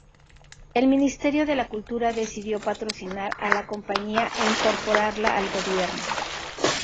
El Ministerio de la Cultura decidió patrocinar a la compañía e incorporarla al gobierno.